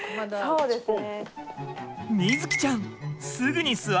そうですね。